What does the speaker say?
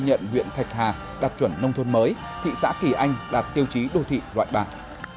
nhận huyện thạch hà đạt chuẩn nông thôn mới thị xã kỳ anh đạt tiêu chí đô thị loại bản